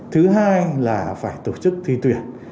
thứ hai là phải tổ chức thi tuyển